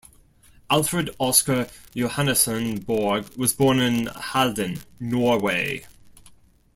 Alfred Oscar Johannessen Borg was born in Halden, Norway.